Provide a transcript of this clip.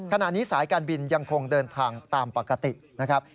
ขณะนี้สายการบินยังคงเดินทางตามปกตินะครับ